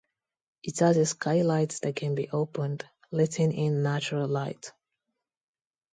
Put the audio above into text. It has a skylight that can be opened, letting in natural light.